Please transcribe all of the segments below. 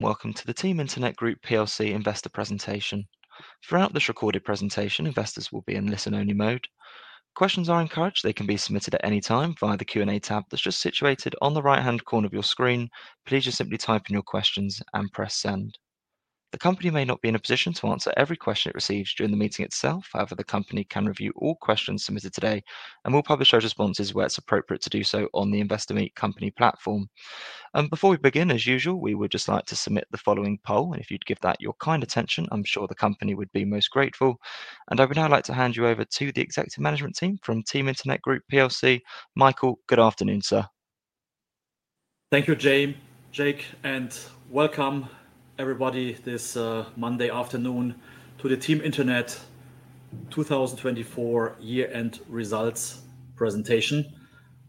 Welcome to the Team Internet Group investor presentation. Throughout this recorded presentation, investors will be in listen-only mode. Questions are encouraged; they can be submitted at any time via the Q&A tab that's just situated on the right-hand corner of your screen. Please just simply type in your questions and press send. The company may not be in a position to answer every question it receives during the meeting itself. However, the company can review all questions submitted today and will publish those responses where it's appropriate to do so on the Investor Meet Company platform. Before we begin, as usual, we would just like to submit the following poll, and if you'd give that your kind attention, I'm sure the company would be most grateful. I would now like to hand you over to the Executive Management Team from Team Internet Group. Michael, good afternoon, sir. Thank you, Jake, Jake, and welcome everybody this Monday afternoon to the Team Internet 2024 year-end results presentation.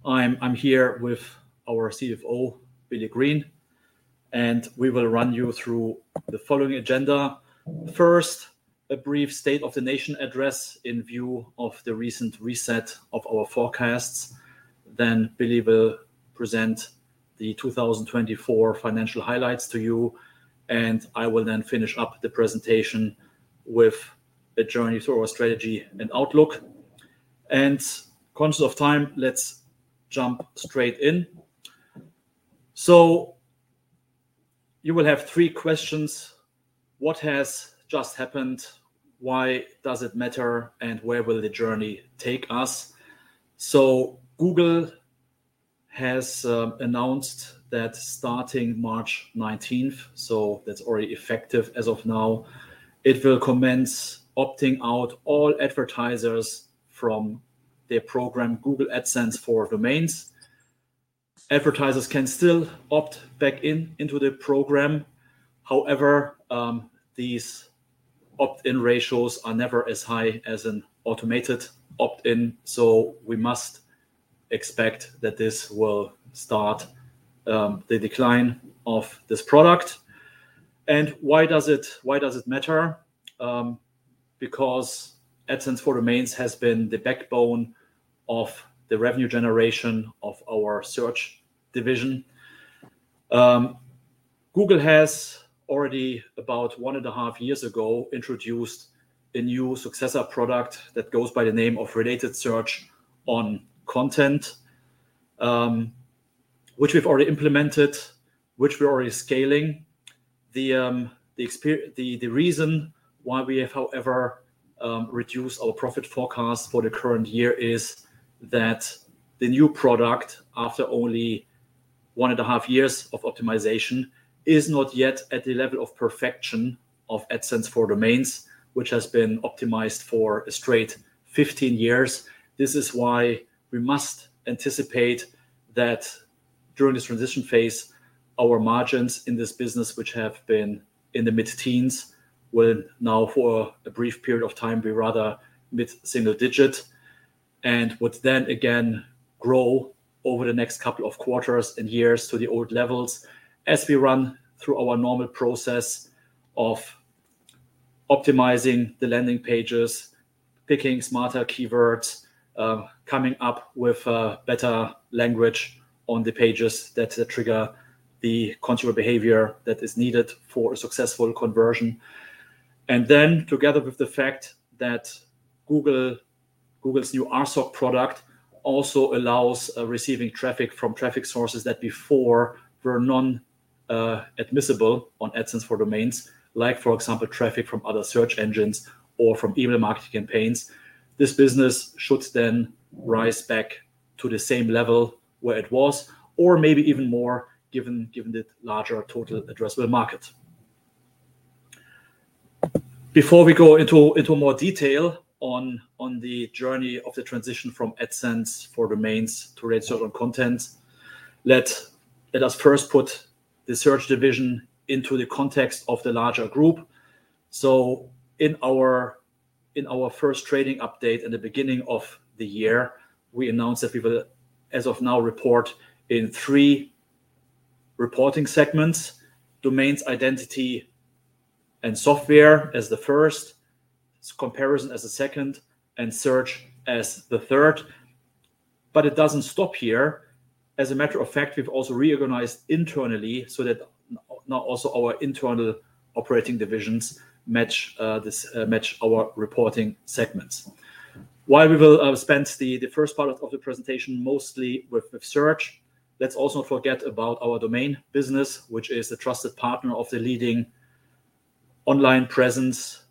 I'm here with our CFO, Billy Green, and we will run you through the following agenda. First, a brief State of the Nation address in view of the recent reset of our forecasts. Billy will present the 2024 financial highlights to you, and I will then finish up the presentation with a journey through our strategy and outlook. Conscious of time, let's jump straight in. You will have three questions: What has just happened? Why does it matter? Where will the journey take us? Google has announced that starting March 19th, so that's already effective as of now, it will commence opting out all advertisers from their program, Google AdSense for Domains. Advertisers can still opt back in into the program. However, these opt-in ratios are never as high as an automated opt-in, so we must expect that this will start the decline of this product. Why does it matter? Because AdSense for Domains has been the backbone of the revenue generation of our search division. Google has already, about one and a half years ago, introduced a new successor product that goes by the name of Related Search on Content, which we've already implemented, which we're already scaling. The reason why we have, however, reduced our profit forecast for the current year is that the new product, after only one and a half years of optimization, is not yet at the level of perfection of AdSense for Domains, which has been optimized for a straight 15 years. This is why we must anticipate that during this transition phase, our margins in this business, which have been in the mid-teens, will now, for a brief period of time, be rather mid-single digit and would then again grow over the next couple of quarters and years to the old levels as we run through our normal process of optimizing the landing pages, picking smarter keywords, coming up with better language on the pages that trigger the consumer behavior that is needed for a successful conversion. and then together with the fact that Google's new RSOC product also allows receiving traffic from traffic sources that before were non-admissible on AdSense for Domains, like, for example, traffic from other search engines or from email marketing campaigns, this business should then rise back to the same level where it was, or maybe even more given the larger total addressable market. Before we go into more detail on the journey of the transition from AdSense for Domains to Related Search on Content, let us first put the search division into the context of the larger group. So in our first training update at the beginning of the year, we announced that we will, as of now, report in three reporting segments: domains, identity and software as the first, comparison as the second, and search as the third. It does not stop here. As a matter of fact, we have also reorganized internally so that now also our internal operating divisions match our reporting segments. While we will spend the first part of the presentation mostly with search, let's also forget about our domain business, which is a trusted partner of the leading online presence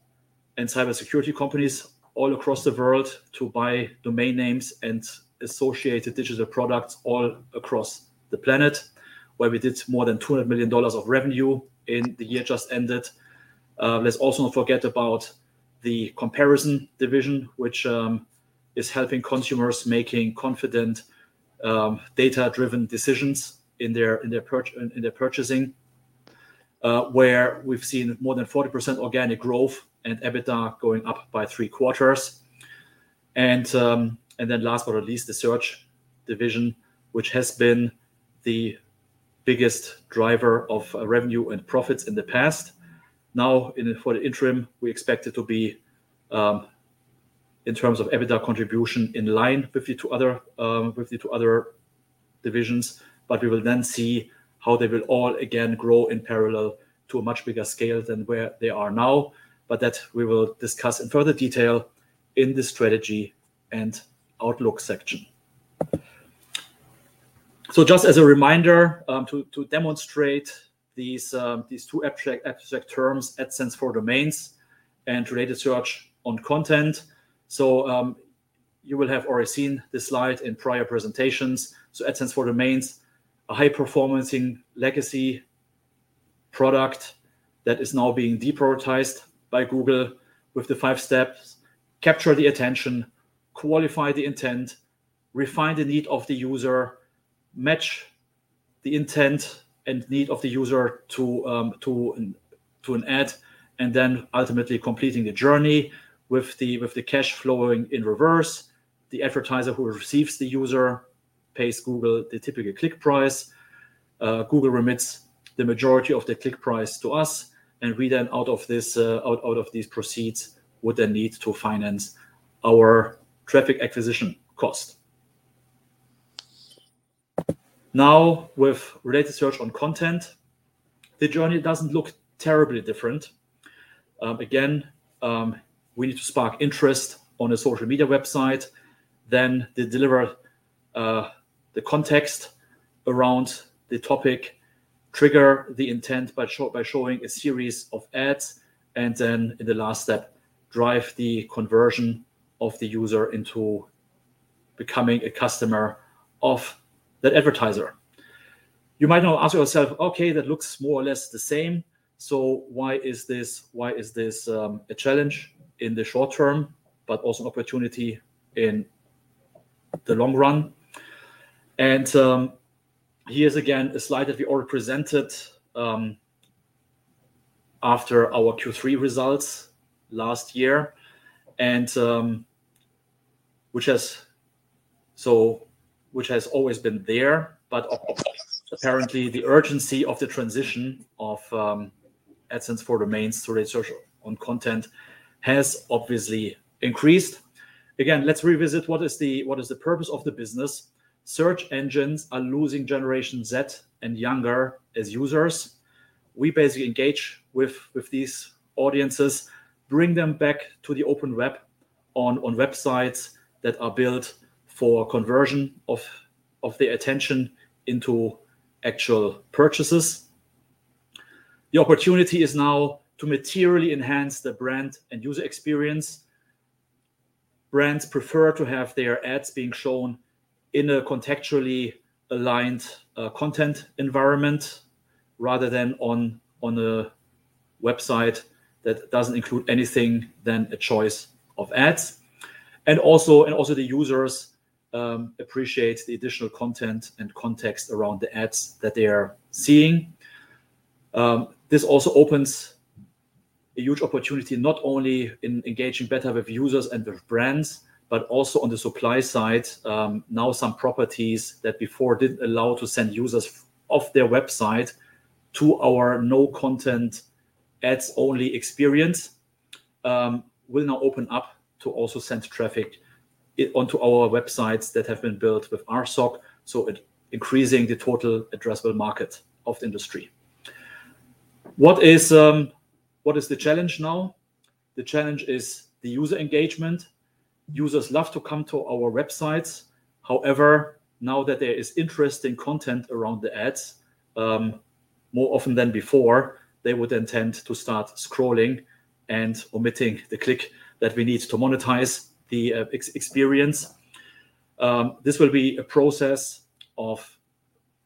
and cybersecurity companies all across the world to buy domain names and associated digital products all across the planet, where we did more than $200 million of revenue in the year just ended. Let's also forget about the comparison division, which is helping consumers make confident data-driven decisions in their purchasing, where we've seen more than 40% organic growth and EBITDA going up by three quarters. Last but not least, the search division, which has been the biggest driver of revenue and profits in the past. Now, for the interim, we expect it to be, in terms of EBITDA contribution, in line with the two other divisions. We will then see how they will all again grow in parallel to a much bigger scale than where they are now. That we will discuss in further detail in the strategy and outlook section. Just as a reminder to demonstrate these two abstract terms, AdSense for Domains and Related Search on Content. You will have already seen this slide in prior presentations. AdSense for Domains, a high-performing legacy product that is now being deprioritized by Google with the five steps: capture the attention, qualify the intent, refine the need of the user, match the intent and need of the user to an ads, and then ultimately completing the journey with the cash flowing in reverse. The advertiser who receives the user pays Google the typical click price. Google remits the majority of the click price to us, and we then, out of these proceeds, would then need to finance our traffic acquisition cost. Now, with Related Search on Content, the journey does not look terribly different. Again, we need to spark interest on a social media website, then deliver the context around the topic, trigger the intent by showing a series of ads, and then in the last step, drive the conversion of the user into becoming a customer of that advertiser. You might now ask yourself, "Okay, that looks more or less the same. So why is this a challenge in the short term, but also an opportunity in the long run?" Here is again a slide that we already presented after our Q3 results last year, which has always been there. Apparently, the urgency of the transition of AdSense for Domains to Related Search on Content has obviously increased. Again, let's revisit what is the purpose of the business. Search engines are losing Generation Z and younger as users. We basically engage with these audiences, bring them back to the open web on websites that are built for conversion of their attention into actual purchases. The opportunity is now to materially enhance the brand and user experience. Brands prefer to have their ads being shown in a contextually aligned content environment rather than on a website that does not include anything other than a choice of ads. Also, the users appreciate the additional content and context around the ads that they are seeing. This also opens a huge opportunity not only in engaging better with users and with brands, but also on the supply side. Now, some properties that before did not allow to send users off their website to our no-content ads-only experience will now open up to also send traffic onto our websites that have been built with RSOC, increasing the total addressable market of the industry. What is the challenge now? The challenge is the user engagement. Users love to come to our websites. However, now that there is interesting content around the ads, more often than before, they would intend to start scrolling and omitting the click that we need to monetize the experience. This will be a process of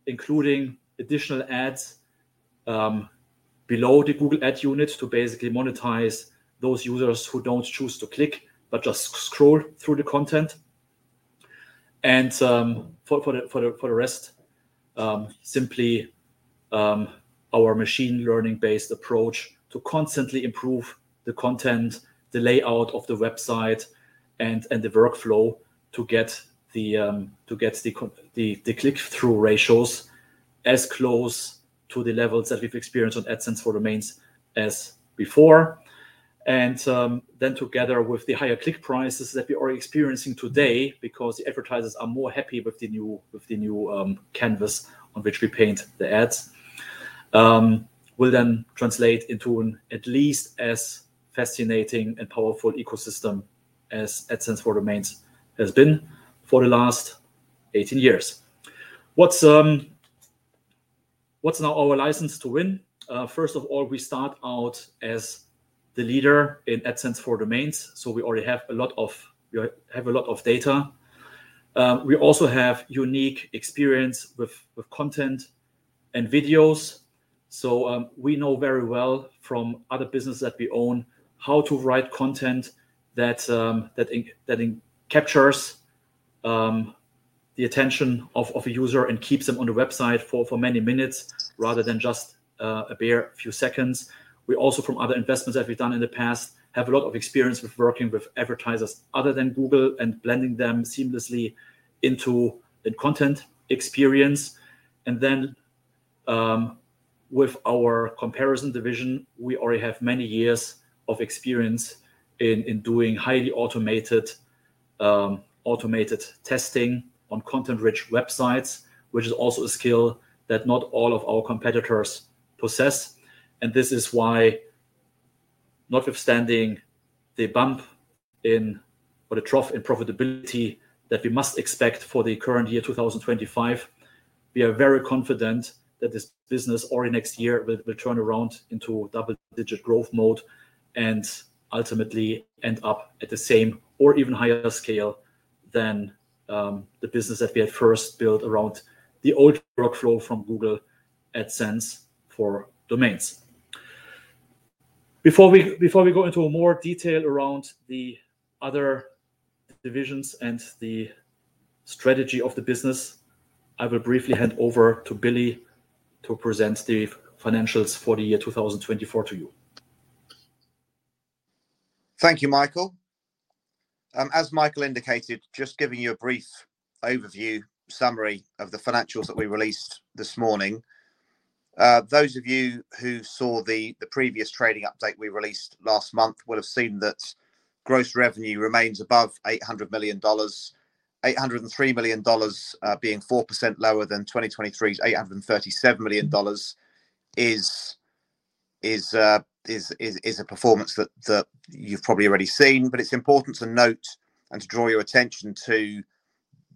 including additional ads below the Google Ad unit to basically monetize those users who do not choose to click but just scroll through the content. For the rest, simply our machine learning-based approach to constantly improve the content, the layout of the website, and the workflow to get the click-through ratios as close to the levels that we've experienced on AdSense for Domains as before. Together with the higher click prices that we are experiencing today because the advertisers are more happy with the new canvas on which we paint the ads, this will then translate into an at least as fascinating and powerful ecosystem as AdSense for Domains has been for the last 18 years. What's now our license to win? First of all, we start out as the leader in AdSense for Domains. We already have a lot of data. We also have unique experience with content and videos. We know very well from other businesses that we own how to write content that captures the attention of a user and keeps them on the website for many minutes rather than just a bare few seconds. We also, from other investments that we've done in the past, have a lot of experience with working with advertisers other than Google and blending them seamlessly into the content experience. With our comparison division, we already have many years of experience in doing highly automated testing on content-rich websites, which is also a skill that not all of our competitors possess. This is why, notwithstanding the bump in or the trough in profitability that we must expect for the current year, 2025, we are very confident that this business already next year will turn around into double-digit growth mode and ultimately end up at the same or even higher scale than the business that we had first built around the old workflow from Google AdSense for domains. Before we go into more detail around the other divisions and the strategy of the business, I will briefly hand over to Billy to present the financials for the year 2024 to you. Thank you, Michael. As Michael indicated, just giving you a brief overview summary of the financials that we released this morning. Those of you who saw the previous trading update we released last month will have seen that gross revenue remains above $800 million. $803 million being 4% lower than 2023's $837 million is a performance that you've probably already seen. It is important to note and to draw your attention to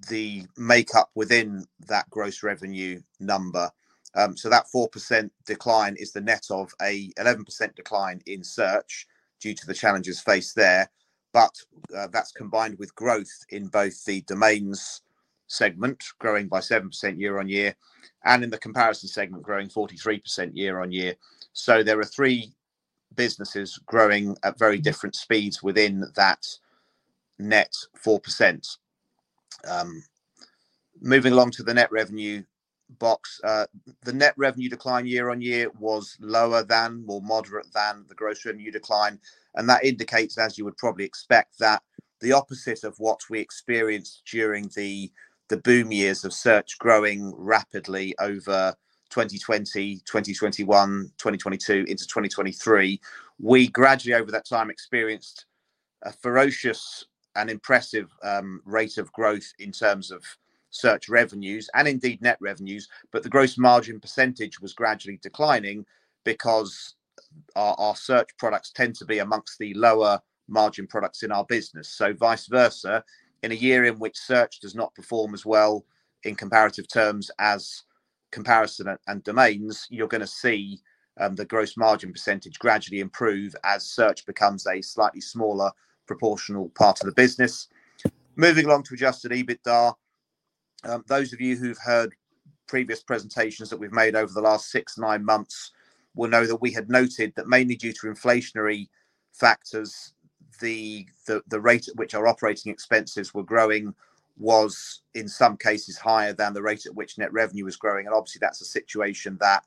the makeup within that gross revenue number. That 4% decline is the net of an 11% decline in search due to the challenges faced there. That is combined with growth in both the domains segment growing by 7% year on year and in the comparison segment growing 43% year on year. There are three businesses growing at very different speeds within that net 4%. Moving along to the net revenue box, the net revenue decline year on year was lower than or moderate than the gross revenue decline. That indicates, as you would probably expect, the opposite of what we experienced during the boom years of search growing rapidly over 2020, 2021, 2022 into 2023. We gradually, over that time, experienced a ferocious and impressive rate of growth in terms of search revenues and indeed net revenues. The gross margin percentage was gradually declining because our search products tend to be amongst the lower margin products in our business. Vice versa, in a year in which search does not perform as well in comparative terms as comparison and domains, you're going to see the gross margin percentage gradually improve as search becomes a slightly smaller proportional part of the business. Moving along to adjusted EBITDA, those of you who've heard previous presentations that we've made over the last six to nine months will know that we had noted that mainly due to inflationary factors, the rate at which our operating expenses were growing was in some cases higher than the rate at which net revenue was growing. Obviously, that's a situation that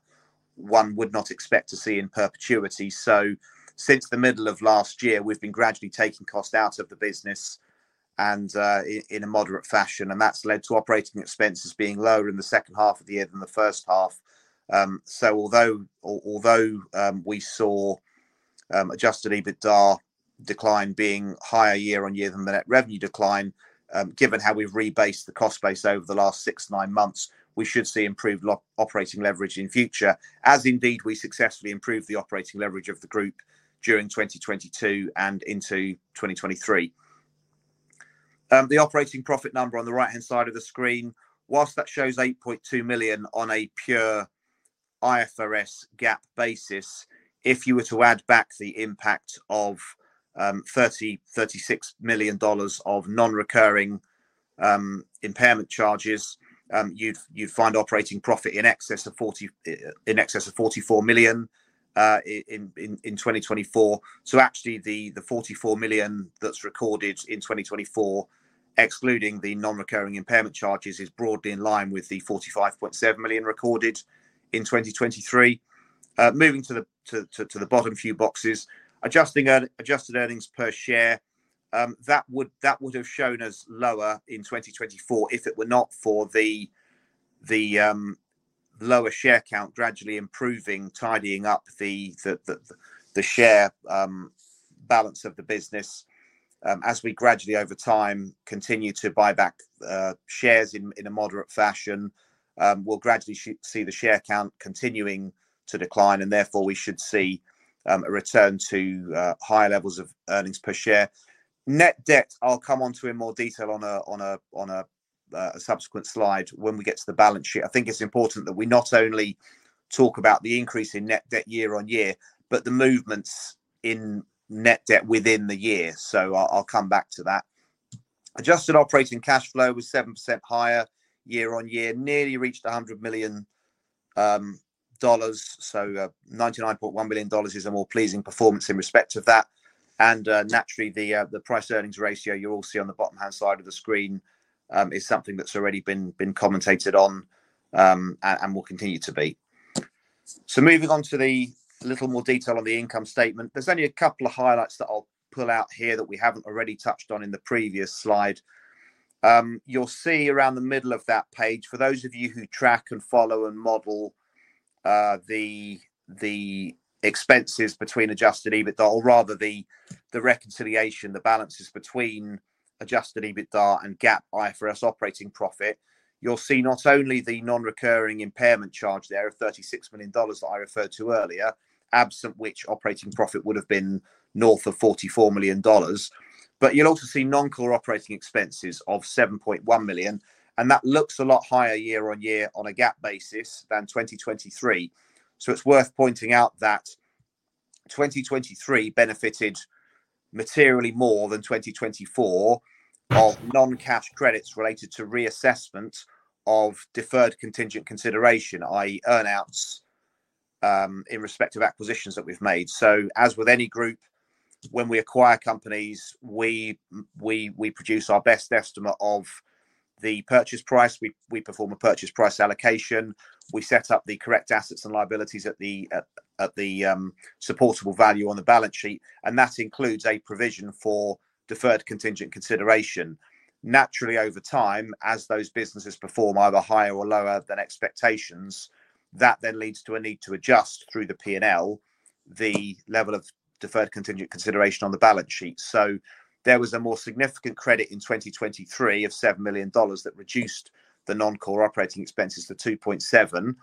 one would not expect to see in perpetuity. Since the middle of last year, we've been gradually taking cost out of the business in a moderate fashion. That's led to operating expenses being lower in the second half of the year than the first half. Although we saw adjusted EBITDA decline being higher year on year than the net revenue decline, given how we've rebased the cost base over the last six to nine months, we should see improved operating leverage in future, as indeed we successfully improved the operating leverage of the group during 2022 and into 2023. The operating profit number on the right-hand side of the screen, whilst that shows $8.2 million on a pure IFRS GAAP basis, if you were to add back the impact of $36 million of non-recurring impairment charges, you'd find operating profit in excess of $44 million in 2024. Actually, the $44 million that's recorded in 2024, excluding the non-recurring impairment charges, is broadly in line with the $45.7 million recorded in 2023. Moving to the bottom few boxes, adjusted earnings per share, that would have shown as lower in 2024 if it were not for the lower share count gradually improving, tidying up the share balance of the business. As we gradually, over time, continue to buy back shares in a moderate fashion, we'll gradually see the share count continuing to decline. Therefore, we should see a return to higher levels of earnings per share. Net debt, I'll come on to in more detail on a subsequent slide when we get to the balance sheet. I think it's important that we not only talk about the increase in net debt year on year, but the movements in net debt within the year. I'll come back to that. Adjusted operating cash flow was 7% higher year on year, nearly reached $100 million. $99.1 million is a more pleasing performance in respect of that. Naturally, the price-to-earnings ratio you'll see on the bottom-hand side of the screen is something that's already been commentated on and will continue to be. Moving on to a little more detail on the income statement, there's only a couple of highlights that I'll pull out here that we haven't already touched on in the previous slide. You'll see around the middle of that page, for those of you who track and follow and model the expenses between adjusted EBITDA or rather the reconciliation, the balances between adjusted EBITDA and GAAP IFRS operating profit, you'll see not only the non-recurring impairment charge there of $36 million that I referred to earlier, absent which operating profit would have been north of $44 million. You'll also see non-core operating expenses of $7.1 million. That looks a lot higher year on year on a GAAP basis than 2023. It is worth pointing out that 2023 benefited materially more than 2024 of non-cash credits related to reassessment of deferred contingent consideration, i.e., earnings in respect of acquisitions that we've made. As with any group, when we acquire companies, we produce our best estimate of the purchase price. We perform a purchase price allocation. We set up the correct assets and liabilities at the supportable value on the balance sheet. That includes a provision for deferred contingent consideration. Naturally, over time, as those businesses perform either higher or lower than expectations, that then leads to a need to adjust through the P&L the level of deferred contingent consideration on the balance sheet. There was a more significant credit in 2023 of $7 million that reduced the non-core operating expenses to $2.7 million,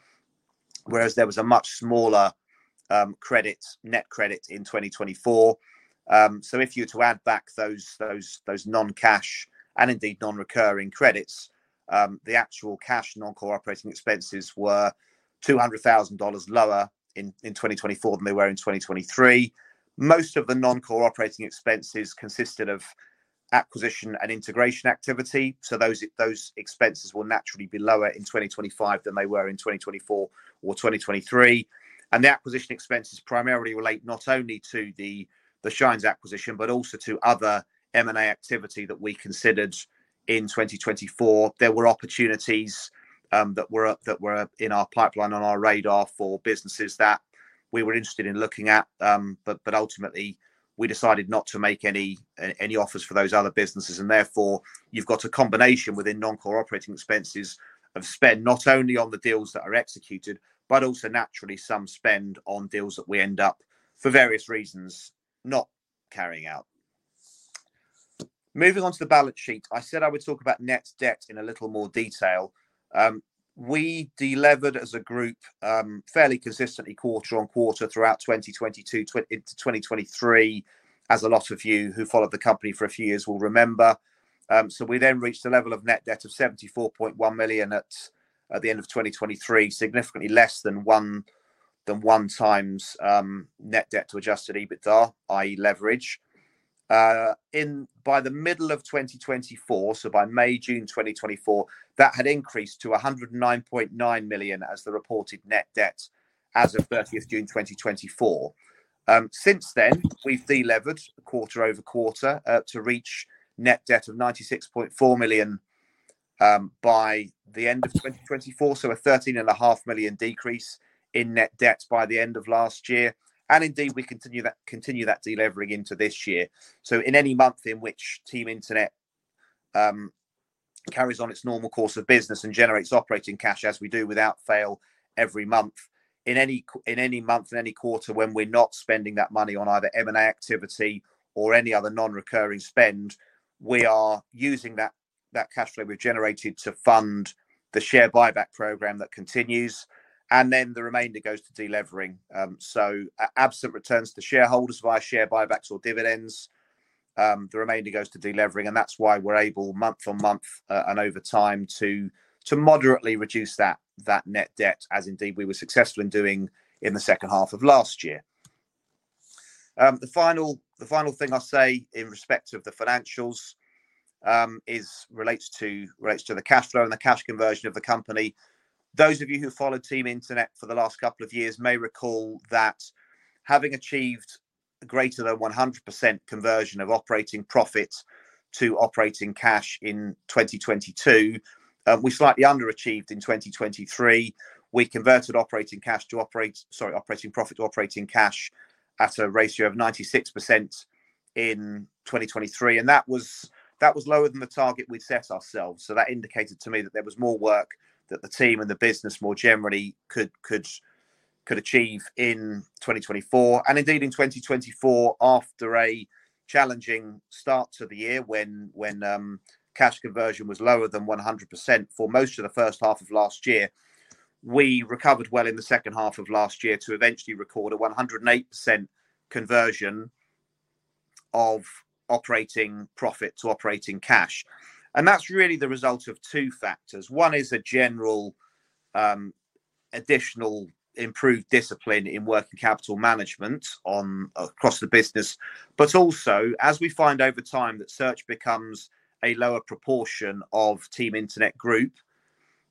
whereas there was a much smaller net credit in 2024. If you were to add back those non-cash and indeed non-recurring credits, the actual cash non-core operating expenses were $200,000 lower in 2024 than they were in 2023. Most of the non-core operating expenses consisted of acquisition and integration activity. Those expenses will naturally be lower in 2025 than they were in 2024 or 2023. The acquisition expenses primarily relate not only to the Shinez acquisition, but also to other M&A activity that we considered in 2024. There were opportunities that were in our pipeline on our radar for businesses that we were interested in looking at. Ultimately, we decided not to make any offers for those other businesses. Therefore, you have a combination within non-core operating expenses of spend not only on the deals that are executed, but also naturally some spend on deals that we end up, for various reasons, not carrying out. Moving on to the balance sheet, I said I would talk about net debt in a little more detail. We delivered as a group fairly consistently quarter on quarter throughout 2022 into 2023, as a lot of you who followed the company for a few years will remember. We then reached a level of net debt of $74.1 million at the end of 2023, significantly less than one times net debt to adjusted EBITDA, i.e., leverage. By the middle of 2024, so by May, June 2024, that had increased to $109.9 million as the reported net debt as of 30 June 2024. Since then, we have delivered quarter-over-quarter to reach net debt of $96.4 million by the end of 2024, so a $13.5 million decrease in net debt by the end of last year. Indeed, we continue that delivering into this year. In any month in which Team Internet carries on its normal course of business and generates operating cash as we do without fail every month, in any month, in any quarter when we're not spending that money on either M&A activity or any other non-recurring spend, we are using that cash flow we've generated to fund the share buyback program that continues. The remainder goes to delivering. Absent returns to shareholders via share buybacks or dividends, the remainder goes to delivering. That's why we're able month on month and over time to moderately reduce that net debt, as indeed we were successful in doing in the second half of last year. The final thing I'll say in respect of the financials relates to the cash flow and the cash conversion of the company. Those of you who followed Team Internet for the last couple of years may recall that having achieved greater than 100% conversion of operating profit to operating cash in 2022, we slightly underachieved in 2023. We converted operating profit to operating cash at a ratio of 96% in 2023. That was lower than the target we'd set ourselves. That indicated to me that there was more work that the team and the business more generally could achieve in 2024. Indeed, in 2024, after a challenging start to the year when cash conversion was lower than 100% for most of the first half of last year, we recovered well in the second half of last year to eventually record a 108% conversion of operating profit to operating cash. That is really the result of two factors. One is a general additional improved discipline in working capital management across the business. Also, as we find over time that search becomes a lower proportion of Team Internet Group,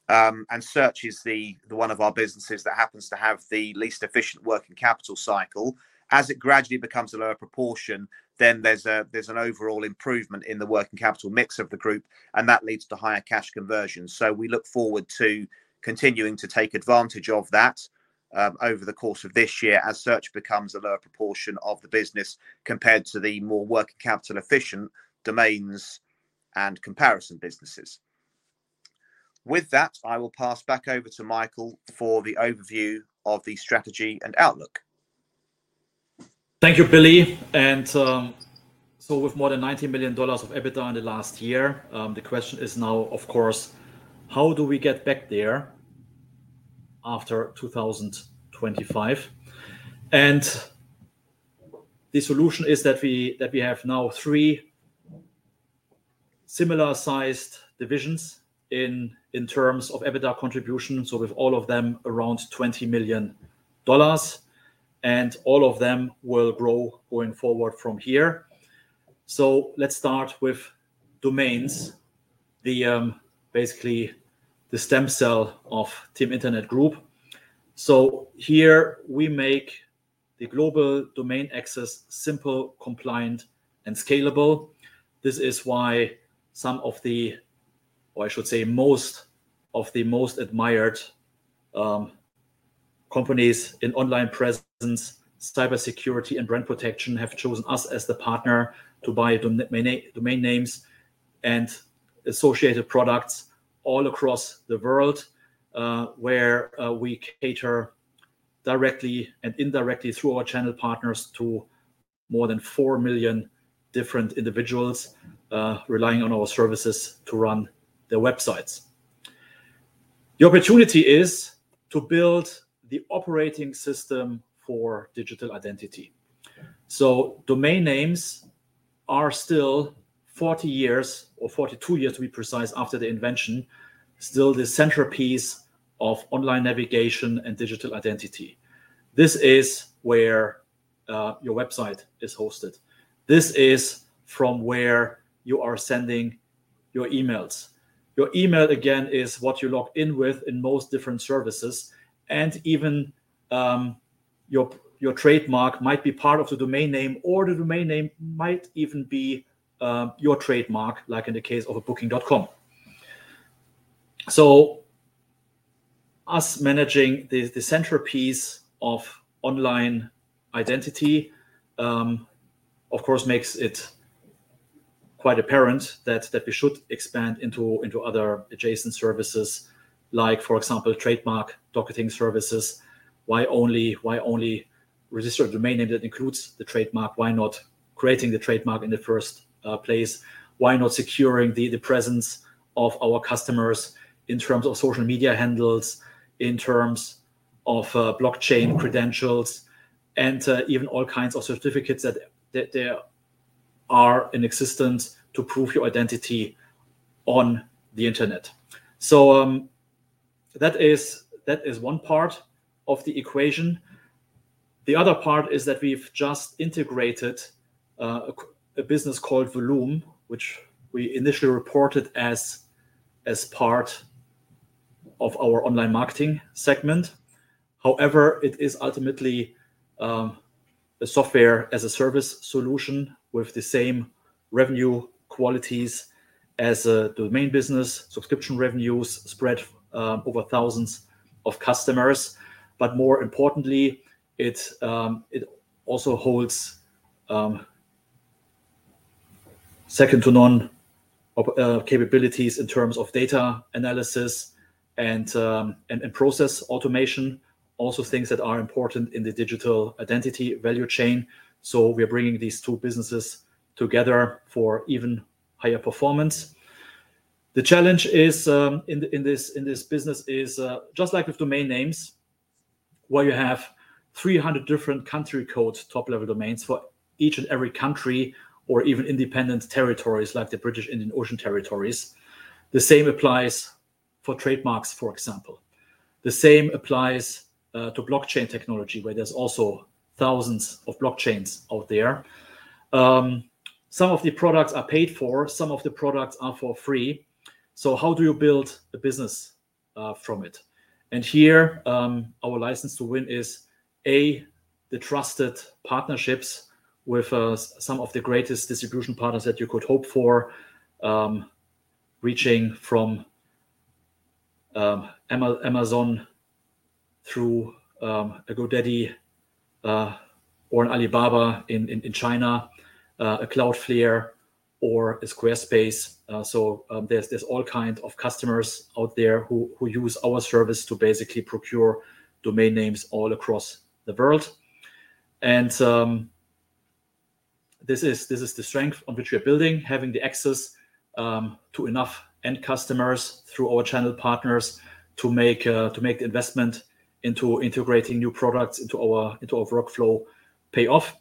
and search is one of our businesses that happens to have the least efficient working capital cycle, as it gradually becomes a lower proportion, there is an overall improvement in the working capital mix of the group. That leads to higher cash conversion. We look forward to continuing to take advantage of that over the course of this year as search becomes a lower proportion of the business compared to the more working capital efficient domains and comparison businesses. With that, I will pass back over to Michael for the overview of the strategy and outlook. Thank you, Billy. With more than $90 million of EBITDA in the last year, the question is now, of course, how do we get back there after 2025? The solution is that we have now three similar-sized divisions in terms of EBITDA contribution, with all of them around $20 million. All of them will grow going forward from here. Let's start with domains, basically the stem cell of Team Internet Group. Here we make the global domain access simple, compliant, and scalable. This is why some of the, or I should say most of the most admired companies in online presence, cybersecurity, and brand protection have chosen us as the partner to buy domain names and associated products all across the world where we cater directly and indirectly through our channel partners to more than 4 million different individuals relying on our services to run their websites. The opportunity is to build the operating system for digital identity. Domain names are still 40 years or 42 years, to be precise after the invention, still the centerpiece of online navigation and digital identity. This is where your website is hosted. This is from where you are sending your emails. Your email, again, is what you log in with in most different services. Even your trademark might be part of the domain name, or the domain name might even be your trademark, like in the case of a Booking.com. Us managing the centerpiece of online identity, of course, makes it quite apparent that we should expand into other adjacent services, like, for example, trademark docketing services. Why only register a domain name that includes the trademark? Why not creating the trademark in the first place? Why not securing the presence of our customers in terms of social media handles, in terms of blockchain credentials, and even all kinds of certificates that are in existence to prove your identity on the internet? That is one part of the equation. The other part is that we've just integrated a business called Voluum, which we initially reported as part of our online marketing segment. However, it is ultimately a software-as-a-service solution with the same revenue qualities as a domain business, subscription revenues spread over thousands of customers. More importantly, it also holds second-to-none capabilities in terms of data analysis and process automation, also things that are important in the digital identity value chain. We are bringing these two businesses together for even higher performance. The challenge in this business is just like with domain names, where you have 300 different country codes, top-level domains for each and every country or even independent territories like the British Indian Ocean Territory. The same applies for trademarks, for example. The same applies to blockchain technology, where there are also thousands of blockchains out there. Some of the products are paid for. Some of the products are for free. How do you build a business from it? Here, our license to win is, A, the trusted partnerships with some of the greatest distribution partners that you could hope for, reaching from Amazon through a GoDaddy or an Alibaba in China, a Cloudflare, or a Squarespace. There are all kinds of customers out there who use our service to basically procure domain names all across the world. This is the strength on which we are building, having the access to enough end customers through our channel partners to make the investment into integrating new products into our workflow pay off.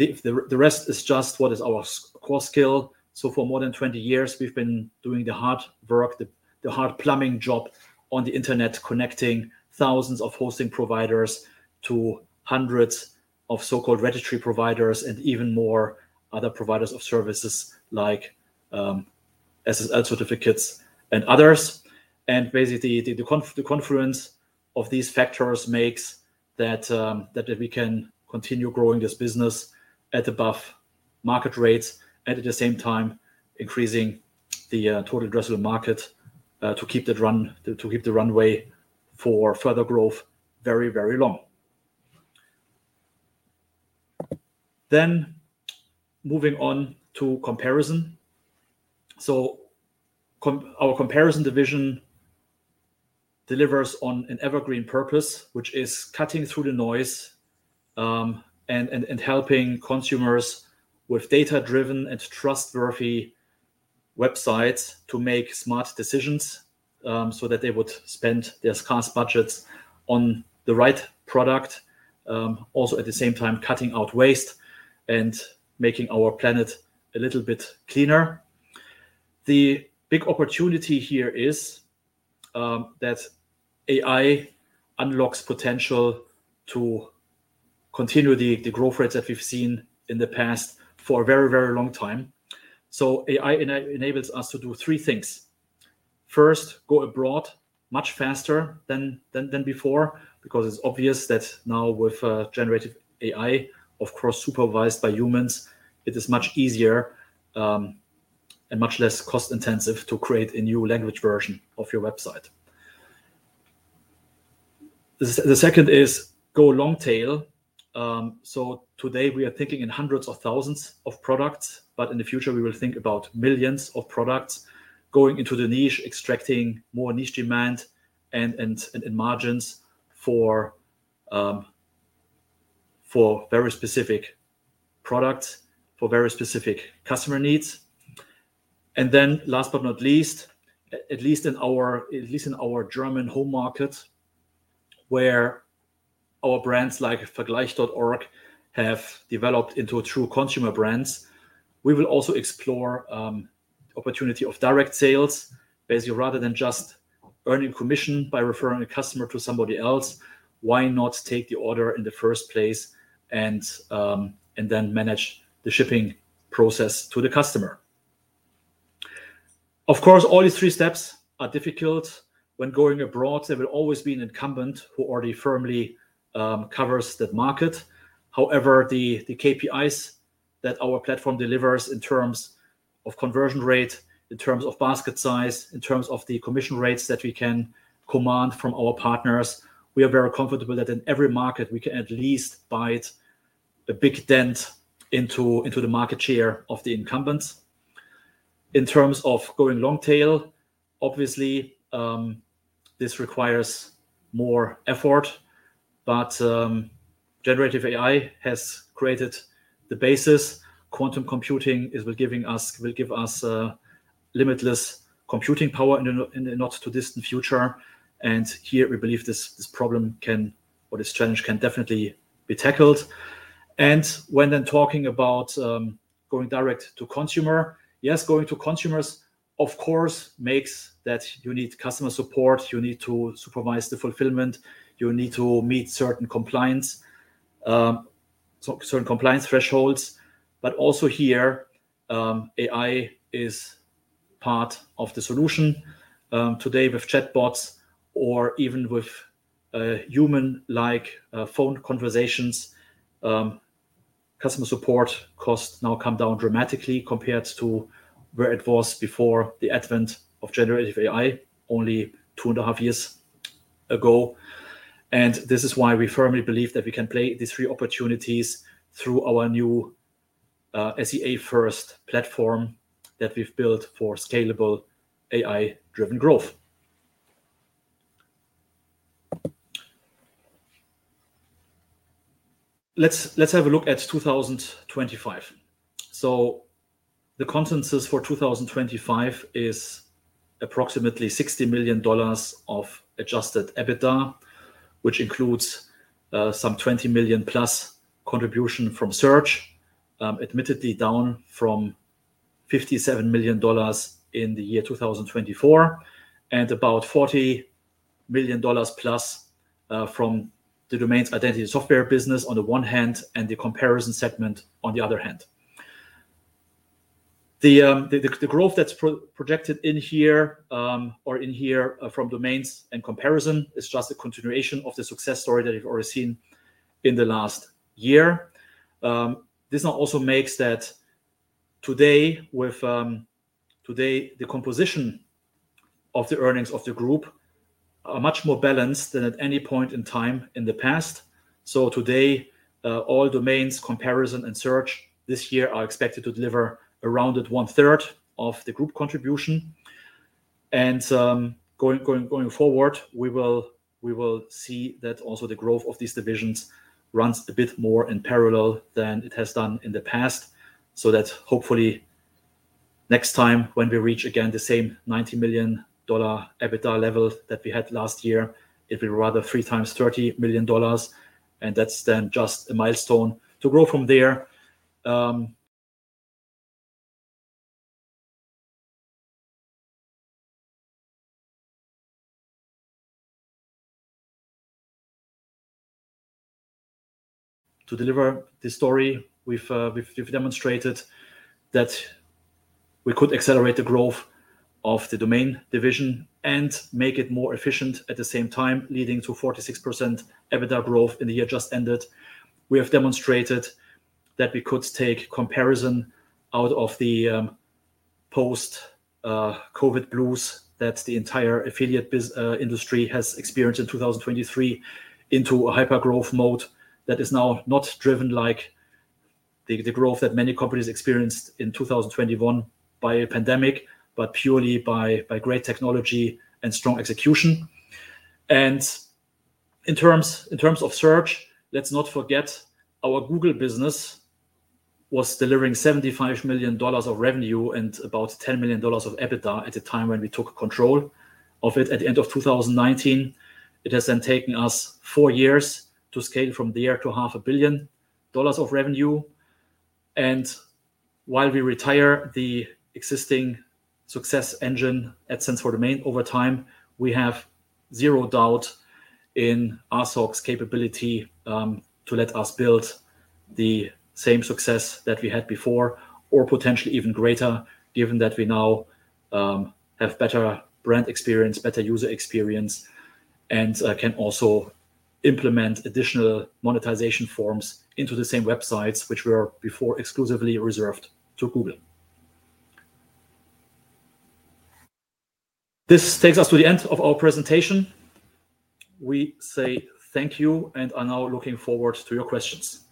The rest is just what is our core skill. For more than 20 years, we've been doing the hard work, the hard plumbing job on the internet, connecting thousands of hosting providers to hundreds of so-called registry providers and even more other providers of services like SSL certificates and others. Basically, the confluence of these factors makes that we can continue growing this business at above market rates and at the same time increasing the total addressable market to keep the runway for further growth very, very long. Then moving on to comparison. Our comparison division delivers on an evergreen purpose, which is cutting through the noise and helping consumers with data-driven and trustworthy websites to make smart decisions so that they would spend their scarce budgets on the right product, also at the same time cutting out waste and making our planet a little bit cleaner. The big opportunity here is that AI unlocks potential to continue the growth rates that we have seen in the past for a very, very long time. AI enables us to do three things. First, go abroad much faster than before because it's obvious that now with generative AI, of course, supervised by humans, it is much easier and much less cost-intensive to create a new language version of your website. The second is go long-tail. Today, we are thinking in hundreds of thousands of products, but in the future, we will think about millions of products going into the niche, extracting more niche demand and margins for very specific products, for very specific customer needs. Last but not least, at least in our German home market, where our brands like Vergleich.org have developed into true consumer brands, we will also explore the opportunity of direct sales. Basically, rather than just earning commission by referring a customer to somebody else, why not take the order in the first place and then manage the shipping process to the customer? Of course, all these three steps are difficult. When going abroad, there will always be an incumbent who already firmly covers that market. However, the KPIs that our platform delivers in terms of conversion rate, in terms of basket size, in terms of the commission rates that we can command from our partners, we are very comfortable that in every market, we can at least bite a big dent into the market share of the incumbents. In terms of going long-tail, obviously, this requires more effort. Generative AI has created the basis. Quantum computing will give us limitless computing power in the not-too-distant future. Here, we believe this problem or this challenge can definitely be tackled. When talking about going direct to consumer, yes, going to consumers, of course, makes that you need customer support. You need to supervise the fulfillment. You need to meet certain compliance thresholds. Also here, AI is part of the solution. Today, with chatbots or even with human-like phone conversations, customer support costs now come down dramatically compared to where it was before the advent of generative AI, only two and a half years ago. This is why we firmly believe that we can play these three opportunities through our new SEA-first platform that we have built for scalable AI-driven growth. Let's have a look at 2025. The consensus for 2025 is approximately $60 million of adjusted EBITDA, which includes some $20 million plus contribution from search, admittedly down from $57 million in the year 2024, and about $40 million plus from the domains identity software business on the one hand and the comparison segment on the other hand. The growth that's projected in here or in here from domains and comparison is just a continuation of the success story that we've already seen in the last year. This also makes that today, the composition of the earnings of the group are much more balanced than at any point in time in the past. Today, all domains, comparison, and search this year are expected to deliver around 1/3 of the group contribution. Going forward, we will see that also the growth of these divisions runs a bit more in parallel than it has done in the past. Hopefully, next time when we reach again the same $90 million EBITDA level that we had last year, it will be rather three times $30 million. That's then just a milestone to grow from there. To deliver this story, we've demonstrated that we could accelerate the growth of the domain division and make it more efficient at the same time, leading to 46% EBITDA growth in the year just ended. We have demonstrated that we could take comparison out of the post-COVID blues that the entire affiliate industry has experienced in 2023 into a hyper-growth mode that is now not driven like the growth that many companies experienced in 2021 by pandemic, but purely by great technology and strong execution. In terms of search, let's not forget our Google business was delivering $75 million of revenue and about $10 million of EBITDA at the time when we took control of it at the end of 2019. It has then taken us four years to scale from there to $500 million of revenue. While we retire the existing success engine, AdSense for Domains, over time, we have zero doubt in RSOC's capability to let us build the same success that we had before or potentially even greater, given that we now have better brand experience, better user experience, and can also implement additional monetization forms into the same websites, which were before exclusively reserved to Google. This takes us to the end of our presentation. We say thank you and are now looking forward to your questions.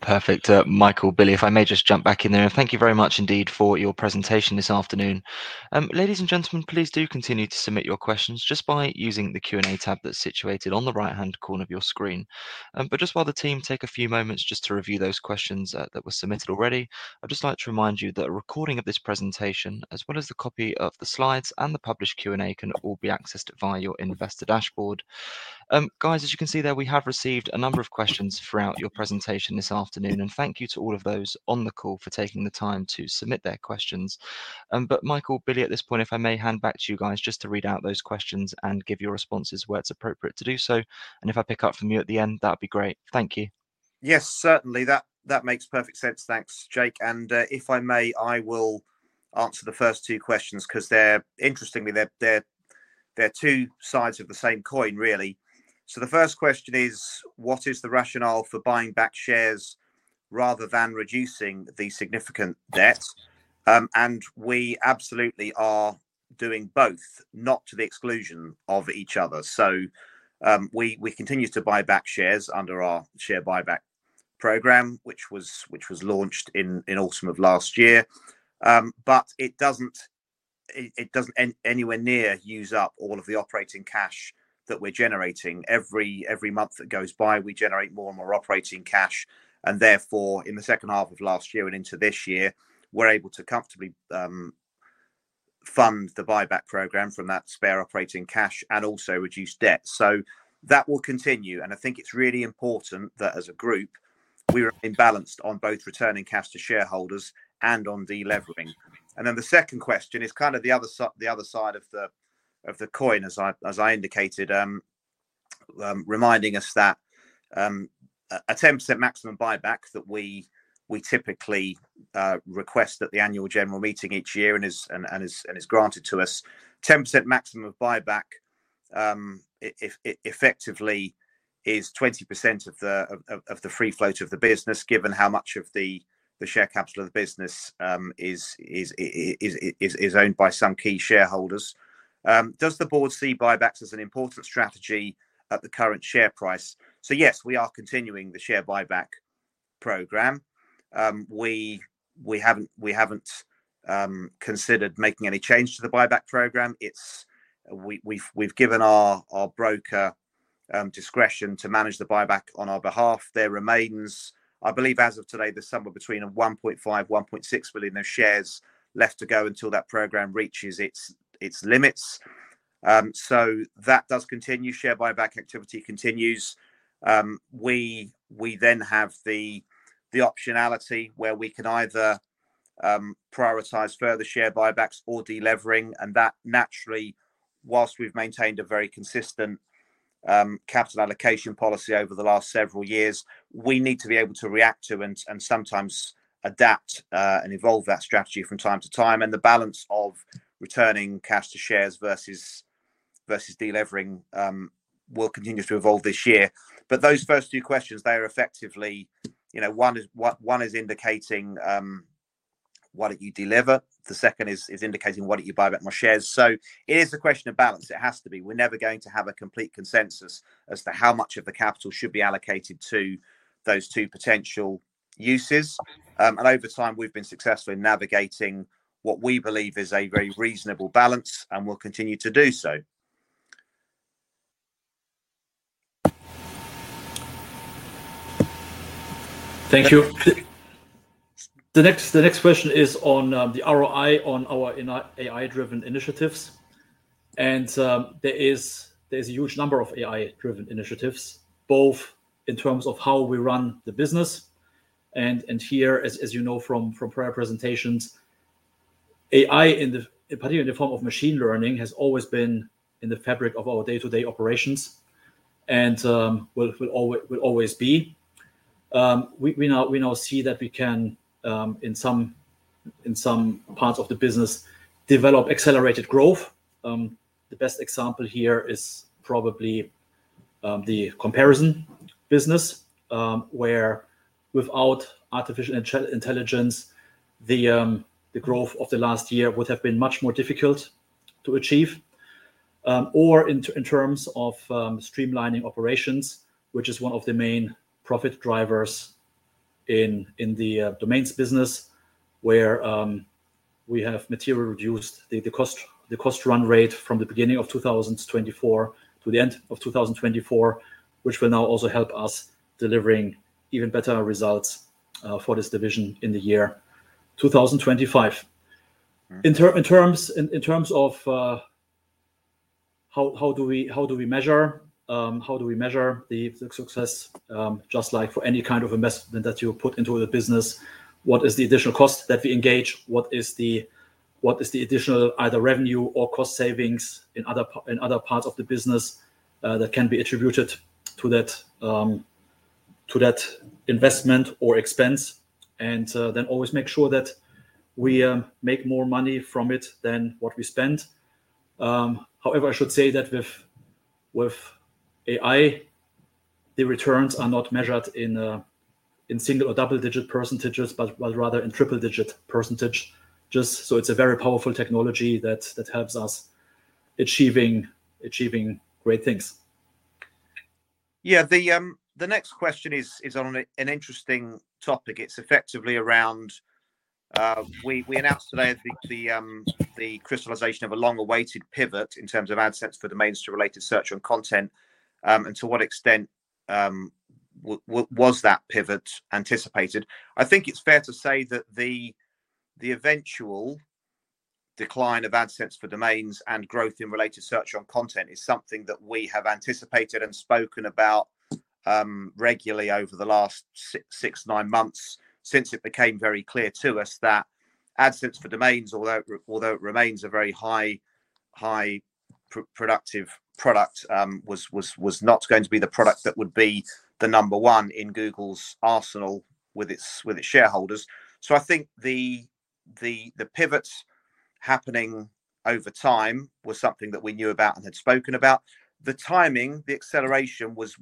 Perfect. Michael, Billy, if I may just jump back in there, thank you very much indeed for your presentation this afternoon. Ladies and gentlemen, please do continue to submit your questions just by using the Q&A tab that's situated on the right-hand corner of your screen. While the team take a few moments just to review those questions that were submitted already, I'd just like to remind you that a recording of this presentation, as well as the copy of the slides and the published Q&A, can all be accessed via your investor dashboard. Guys, as you can see there, we have received a number of questions throughout your presentation this afternoon. Thank you to all of those on the call for taking the time to submit their questions. Michael, Billy, at this point, if I may hand back to you guys just to read out those questions and give your responses where it's appropriate to do so. If I pick up from you at the end, that would be great. Thank you. Yes, certainly. That makes perfect sense. Thanks, Jake. If I may, I will answer the first two questions because they're, interestingly, two sides of the same coin, really. The first question is, what is the rationale for buying back shares rather than reducing the significant debt? We absolutely are doing both, not to the exclusion of each other. We continue to buy back shares under our share buyback program, which was launched in autumn of last year. It does not anywhere near use up all of the operating cash that we're generating. Every month that goes by, we generate more and more operating cash. Therefore, in the second half of last year and into this year, we're able to comfortably fund the buyback program from that spare operating cash and also reduce debt. That will continue. I think it's really important that as a group, we remain balanced on both returning cash to shareholders and on delevering. The second question is kind of the other side of the coin, as I indicated, reminding us that a 10% maximum buyback that we typically request at the annual general meeting each year and is granted to us, 10% maximum buyback effectively is 20% of the free float of the business, given how much of the share capital of the business is owned by some key shareholders. Does the board see buybacks as an important strategy at the current share price? Yes, we are continuing the share buyback program. We haven't considered making any change to the buyback program. We've given our broker discretion to manage the buyback on our behalf. There remains, I believe, as of today, there's somewhere between $1.5 to 1.6 million of shares left to go until that program reaches its limits. That does continue. Share buyback activity continues. We then have the optionality where we can either prioritize further share buybacks or delevering. Naturally, whilst we've maintained a very consistent capital allocation policy over the last several years, we need to be able to react to and sometimes adapt and evolve that strategy from time to time. The balance of returning cash to shares versus delivering will continue to evolve this year. Those first two questions, they are effectively one is indicating what you deliver. The second is indicating what you buy back more shares. It is a question of balance. It has to be. We're never going to have a complete consensus as to how much of the capital should be allocated to those two potential uses. Over time, we've been successful in navigating what we believe is a very reasonable balance, and we'll continue to do so. Thank you. The next question is on the ROI on our AI-driven initiatives. There is a huge number of AI-driven initiatives, both in terms of how we run the business. As you know from prior presentations, AI, particularly in the form of machine learning, has always been in the fabric of our day-to-day operations and will always be. We now see that we can, in some parts of the business, develop accelerated growth. The best example here is probably the comparison business, where without artificial intelligence, the growth of the last year would have been much more difficult to achieve. In terms of streamlining operations, which is one of the main profit drivers in the domains business, we have materially reduced the cost run rate from the beginning of 2024 to the end of 2024, which will now also help us deliver even better results for this division in the year 2025. In terms of how we measure the success, just like for any kind of investment that you put into the business, what is the additional cost that we engage? What is the additional either revenue or cost savings in other parts of the business that can be attributed to that investment or expense? Always make sure that we make more money from it than what we spend. However, I should say that with AI, the returns are not measured in single or double-digit percentages, but rather in triple-digit percentages. It's a very powerful technology that helps us achieving great things. Yeah, the next question is on an interesting topic. It's effectively around we announced today the crystallization of a long-awaited pivot in terms of AdSense for Domains to Related Search on Content. To what extent was that pivot anticipated? I think it's fair to say that the eventual decline of AdSense for Domains and growth in Related Search on Content is something that we have anticipated and spoken about regularly over the last six to nine months since it became very clear to us that AdSense for Domains, although it remains a very high-productive product, was not going to be the product that would be the number one in Google's arsenal with its shareholders. I think the pivots happening over time were something that we knew about and had spoken about. The timing, the acceleration was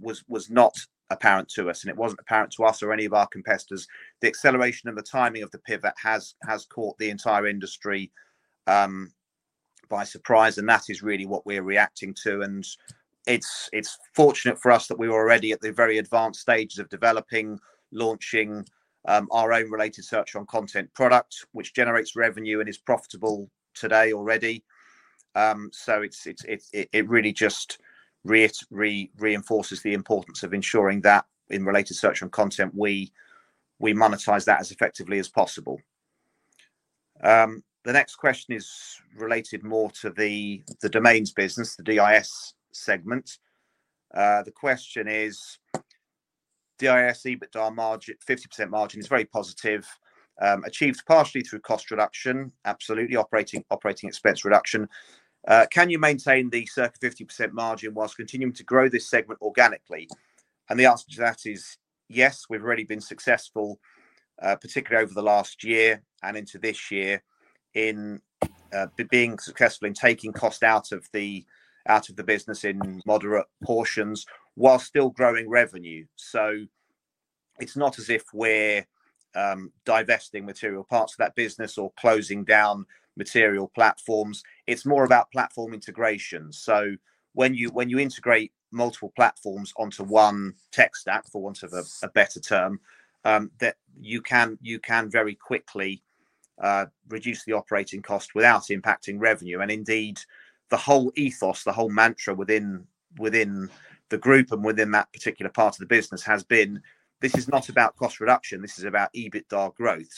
not apparent to us. It wasn't apparent to us or any of our competitors. The acceleration and the timing of the pivot has caught the entire industry by surprise. That is really what we're reacting to. It's fortunate for us that we were already at the very advanced stages of developing, launching our own Related Search on Content product, which generates revenue and is profitable today already. It really just reinforces the importance of ensuring that in Related Search on Content, we monetize that as effectively as possible. The next question is related more to the domains business, the DIS segment. The question is, DIS EBITDA margin, 50% margin is very positive, achieved partially through cost reduction, absolutely operating expense reduction. Can you maintain the circa 50% margin whilst continuing to grow this segment organically? The answer to that is yes, we've already been successful, particularly over the last year and into this year, in being successful in taking cost out of the business in moderate portions whilst still growing revenue. It's not as if we're divesting material parts of that business or closing down material platforms. It's more about platform integration. When you integrate multiple platforms onto one tech stack, for want of a better term, you can very quickly reduce the operating cost without impacting revenue. Indeed, the whole ethos, the whole mantra within the group and within that particular part of the business has been, this is not about cost reduction. This is about EBITDA growth.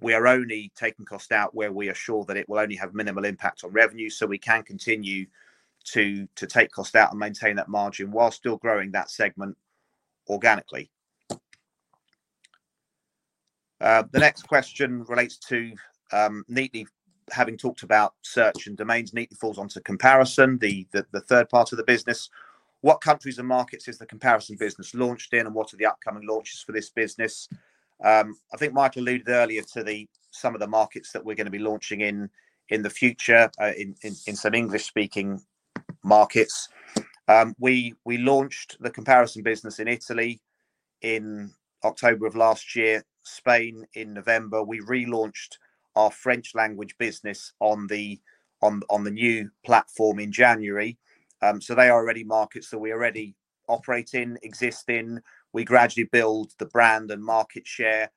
We are only taking cost out where we are sure that it will only have minimal impact on revenue. We can continue to take cost out and maintain that margin whilst still growing that segment organically. The next question relates to, neatly having talked about search and domains, neatly falls onto comparison, the third part of the business. What countries and markets is the comparison business launched in? And what are the upcoming launches for this business? I think Michael alluded earlier to some of the markets that we're going to be launching in the future in some English-speaking markets. We launched the comparison business in Italy in October of last year, Spain in November. We relaunched our French-language business on the new platform in January. They are already markets that we already operate in, exist in. We gradually build the brand and market share.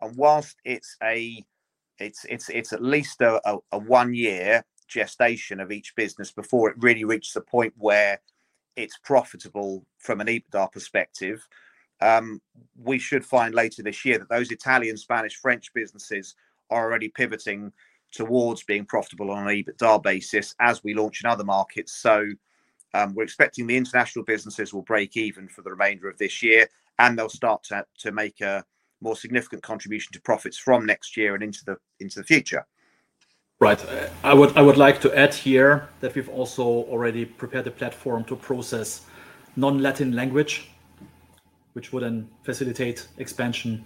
Whilst it's at least a one-year gestation of each business before it really reaches a point where it's profitable from an EBITDA perspective, we should find later this year that those Italian, Spanish, French businesses are already pivoting towards being profitable on an EBITDA basis as we launch in other markets. We are expecting the international businesses will break even for the remainder of this year, and they'll start to make a more significant contribution to profits from next year and into the future. Right. I would like to add here that we've also already prepared a platform to process non-Latin language, which would then facilitate expansion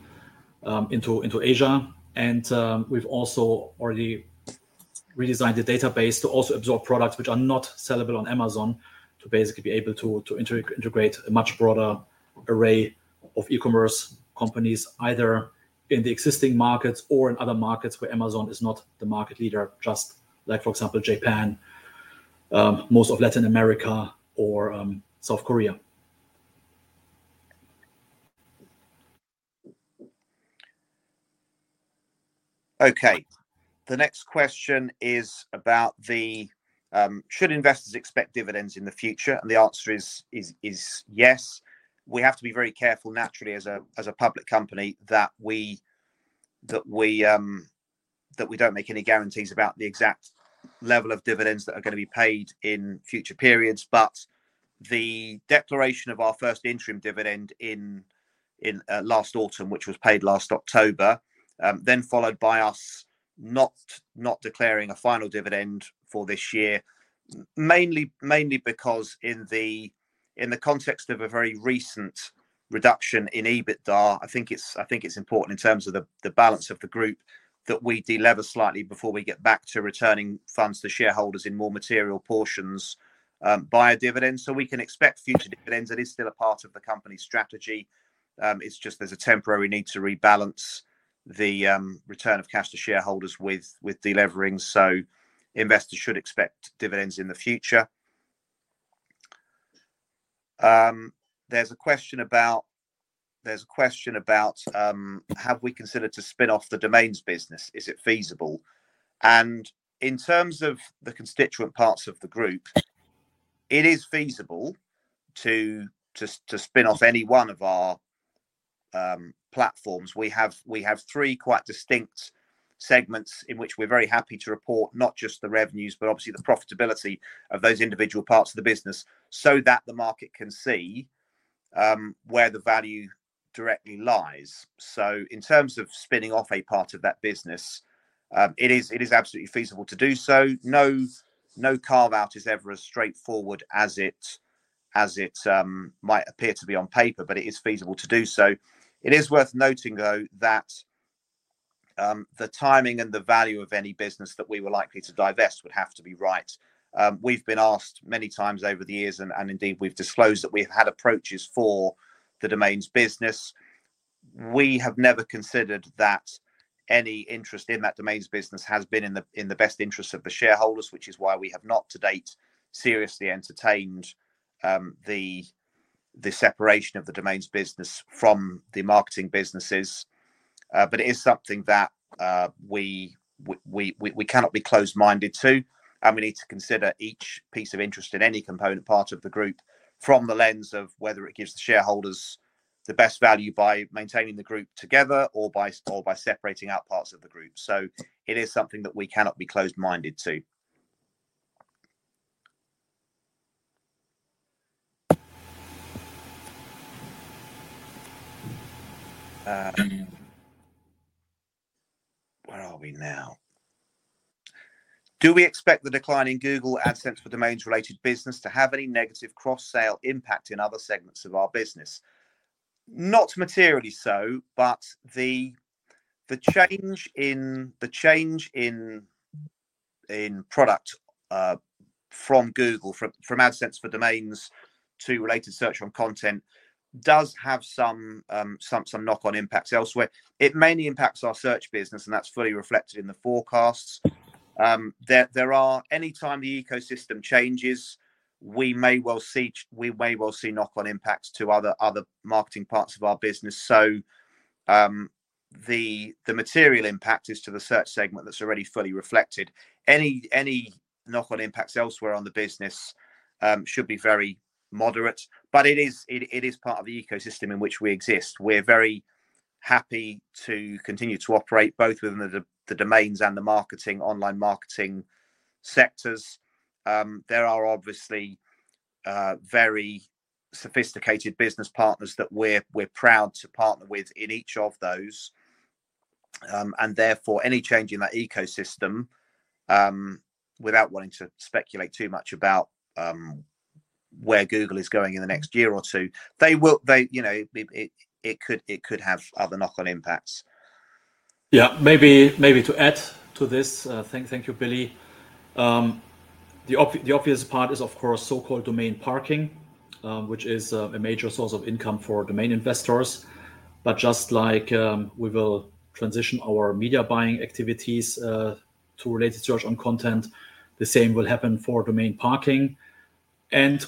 into Asia. We have also already redesigned the database to also absorb products which are not sellable on Amazon to basically be able to integrate a much broader array of e-commerce companies either in the existing markets or in other markets where Amazon is not the market leader, just like, for example, Japan, most of Latin America, or South Korea. Okay. The next question is about the should investors expect dividends in the future? The answer is yes. We have to be very careful, naturally, as a public company that we do not make any guarantees about the exact level of dividends that are going to be paid in future periods. The declaration of our first interim dividend last autumn, which was paid last October, was then followed by us not declaring a final dividend for this year, mainly because in the context of a very recent reduction in EBITDA, I think it's important in terms of the balance of the group that we delever slightly before we get back to returning funds to shareholders in more material portions by a dividend. We can expect future dividends. It is still a part of the company's strategy. It's just there's a temporary need to rebalance the return of cash to shareholders with deliverings. Investors should expect dividends in the future. There's a question about have we considered to spin off the domains business. Is it feasible? In terms of the constituent parts of the group, it is feasible to spin off any one of our platforms. We have three quite distinct segments in which we're very happy to report not just the revenues, but obviously the profitability of those individual parts of the business so that the market can see where the value directly lies. In terms of spinning off a part of that business, it is absolutely feasible to do so. No carve-out is ever as straightforward as it might appear to be on paper, but it is feasible to do so. It is worth noting, though, that the timing and the value of any business that we were likely to divest would have to be right. We've been asked many times over the years, and indeed, we've disclosed that we have had approaches for the domains business. We have never considered that any interest in that domains business has been in the best interest of the shareholders, which is why we have not to date seriously entertained the separation of the domains business from the marketing businesses. It is something that we cannot be closed-minded to. We need to consider each piece of interest in any component part of the group from the lens of whether it gives the shareholders the best value by maintaining the group together or by separating out parts of the group. It is something that we cannot be closed-minded to. Where are we now? Do we expect the decline in Google AdSense for Domains-related business to have any negative cross-sale impact in other segments of our business? Not materially so, but the change in product from Google, from AdSense for Domains to Related Search on Content does have some knock-on impacts elsewhere. It mainly impacts our search business, and that's fully reflected in the forecasts. Anytime the ecosystem changes, we may well see knock-on impacts to other marketing parts of our business. The material impact is to the search segment that's already fully reflected. Any knock-on impacts elsewhere on the business should be very moderate. It is part of the ecosystem in which we exist. We're very happy to continue to operate both within the domains and the online marketing sectors. There are obviously very sophisticated business partners that we're proud to partner with in each of those. Therefore, any change in that ecosystem, without wanting to speculate too much about where Google is going in the next year or two, it could have other knock-on impacts. Yeah. Maybe to add to this, thank you, Billy. The obvious part is, of course, so-called domain parking, which is a major source of income for domain investors. Just like we will transition our media buying activities to Related Search on Content, the same will happen for domain parking.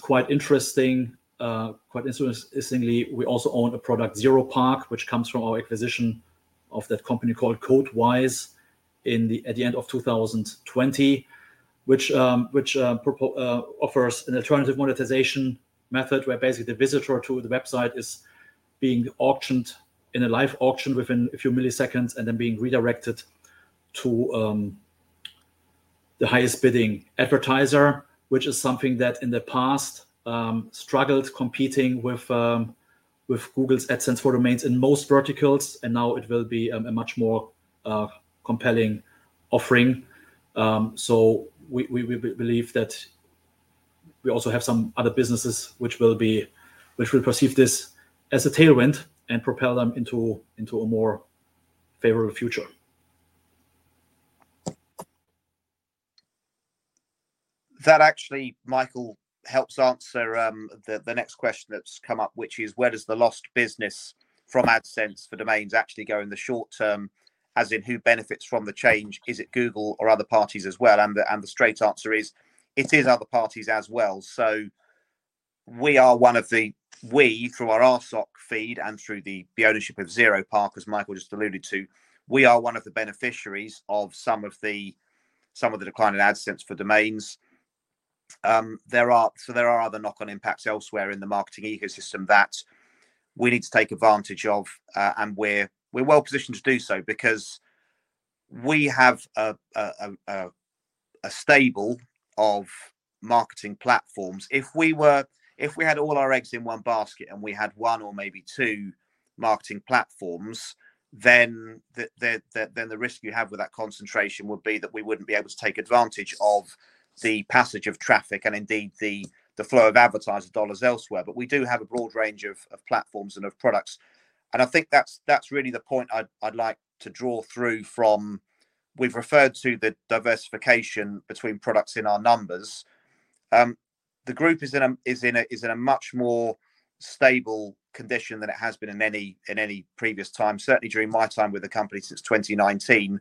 Quite interestingly, we also own a product, Zeropark, which comes from our acquisition of that company called CodeWise at the end of 2020, which offers an alternative monetization method where basically the visitor to the website is being auctioned in a live auction within a few milliseconds and then being redirected to the highest bidding advertiser, which is something that in the past struggled competing with Google's AdSense for Domains in most verticals. Now it will be a much more compelling offering. We believe that we also have some other businesses which will perceive this as a tailwind and propel them into a more favorable future. That actually, Michael, helps answer the next question that's come up, which is, where does the lost business from AdSense for Domains actually go in the short term? As in, who benefits from the change? Is it Google or other parties as well? The straight answer is it is other parties as well. We are one of the, we, through our RSOC feed and through the ownership of Zeropark, as Michael just alluded to, we are one of the beneficiaries of some of the decline in AdSense for Domains. There are other knock-on impacts elsewhere in the marketing ecosystem that we need to take advantage of. We are well positioned to do so because we have a stable of marketing platforms. If we had all our eggs in one basket and we had one or maybe two marketing platforms, then the risk you have with that concentration would be that we would not be able to take advantage of the passage of traffic and indeed the flow of advertiser dollars elsewhere. We do have a broad range of platforms and of products. I think that's really the point I'd like to draw through from we've referred to the diversification between products in our numbers. The group is in a much more stable condition than it has been in any previous time. Certainly, during my time with the company since 2019,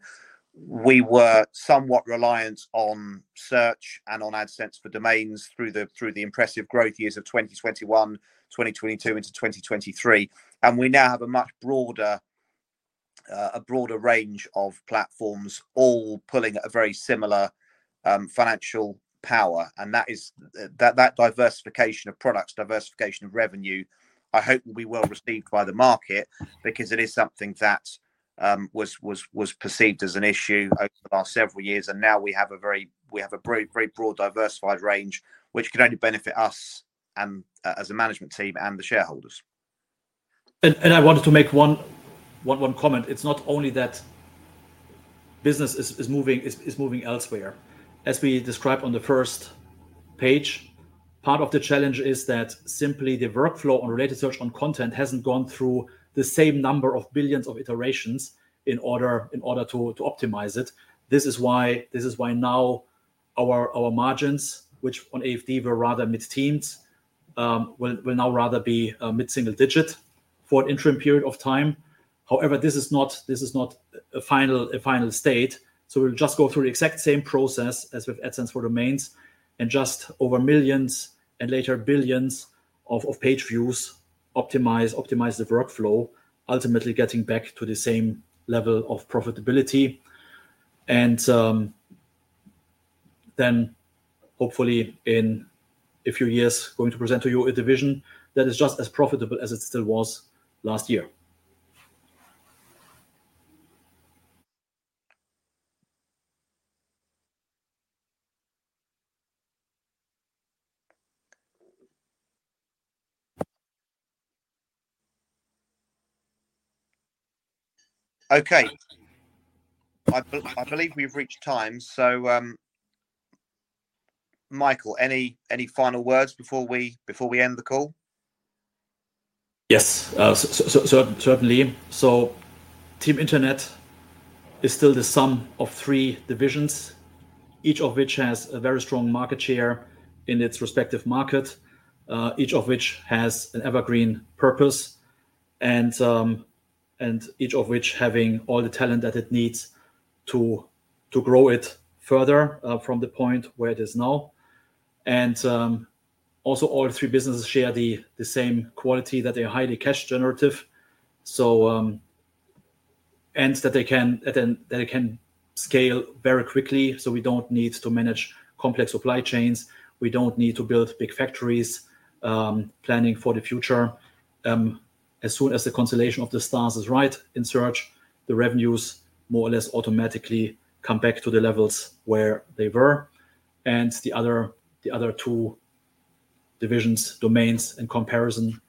we were somewhat reliant on search and on AdSense for Domains through the impressive growth years of 2021, 2022, into 2023. We now have a much broader range of platforms all pulling at a very similar financial power. That diversification of products, diversification of revenue, I hope will be well received by the market because it is something that was perceived as an issue over the last several years. Now we have a very broad, diversified range, which can only benefit us as a management team and the shareholders. I wanted to make one comment. It's not only that business is moving elsewhere. As we described on the first page, part of the challenge is that simply the workflow on Related Search on Content hasn't gone through the same number of billions of iterations in order to optimize it. This is why now our margins, which on AFD were rather mid-teens, will now rather be mid-single digit for an interim period of time. However, this is not a final state. We will just go through the exact same process as with AdSense for Domains and just over millions and later billions of page views optimize the workflow, ultimately getting back to the same level of profitability. Hopefully, in a few years, going to present to you a division that is just as profitable as it still was last year. Okay. I believe we've reached time. Michael, any final words before we end the call? Yes, certainly. Team Internet is still the sum of three divisions, each of which has a very strong market share in its respective market, each of which has an evergreen purpose, and each of which having all the talent that it needs to grow it further from the point where it is now. Also, all three businesses share the same quality that they are highly cash-generative, and that they can scale very quickly. We do not need to manage complex supply chains. We do not need to build big factories planning for the future. As soon as the constellation of the stars is right in search, the revenues more or less automatically come back to the levels where they were. The other two divisions, Domains and Comparison,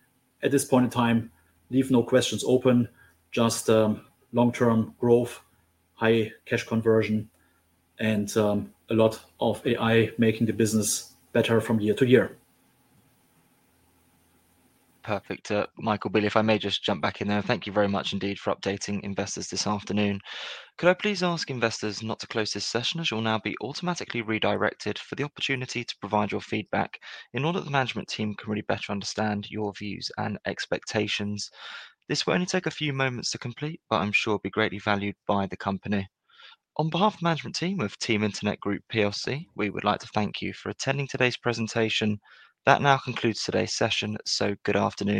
at this point in time, leave no questions open, just long-term growth, high cash conversion, and a lot of AI making the business better from year to year. Perfect. Michael, Billy, if I may just jump back in there, thank you very much indeed for updating investors this afternoon. Could I please ask investors not to close this session as you will now be automatically redirected for the opportunity to provide your feedback in order that the management team can really better understand your views and expectations? This will only take a few moments to complete, but I am sure it will be greatly valued by the company. On behalf of the management team of Team Internet Group, we would like to thank you for attending today's presentation. That now concludes today's session. Good afternoon.